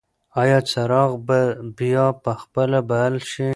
ایا څراغ به بیا په خپله بل شي؟